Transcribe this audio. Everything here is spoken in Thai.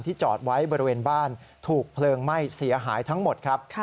จอดไว้บริเวณบ้านถูกเพลิงไหม้เสียหายทั้งหมดครับ